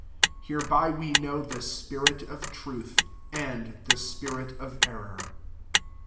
Hereby we know the spirit of truth, and the spirit of error.